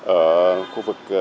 ở khu vực